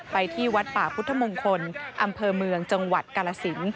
ที่วัดป่าพุทธมงคลอำเภอเมืองจังหวัดกาลสิน